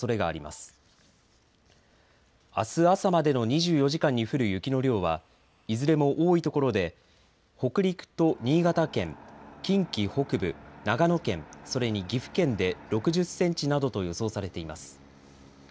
あす朝までの２４時間に降る雪の量はいずれも多いところで北陸と新潟県、近畿北部、長野県、それに岐阜県で６０センチなどと予想されています。